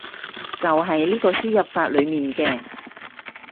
就係呢個輸入法裏面嘅